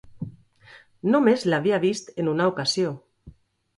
Només l'havia vist en una ocasió...